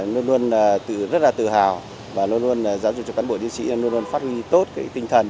luôn luôn rất là tự hào và luôn luôn giáo dục cho cán bộ diễn sĩ luôn luôn phát huy tốt cái tinh thần